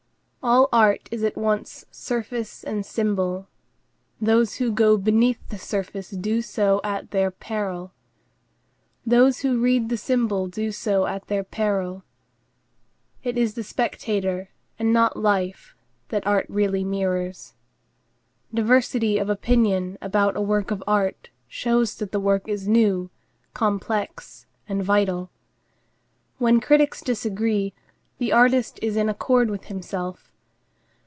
All art is at once surface and symbol. Those who go beneath the surface do so at their peril. Those who read the symbol do so at their peril. It is the spectator, and not life, that art really mirrors. Diversity of opinion about a work of art shows that the work is new, complex, and vital. When critics disagree, the artist is in accord with himself.